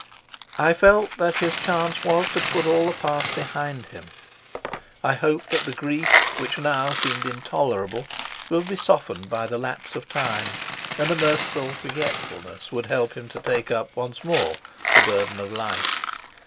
I felt that his chance was to put all the past behind him. I hoped that the grief which now seemed intolerable would be softened by the lapse of time, and a merciful forgetfulness would help him to take up once more the burden of life.